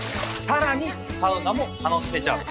さらにサウナも楽しめちゃう。